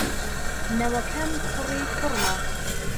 نەوەکەم کوڕی کوڕەکەمە.